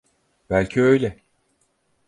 Belki öyle.